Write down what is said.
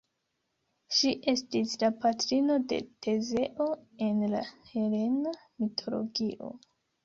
Ŝi estis la patrino de Tezeo en la helena mitologio.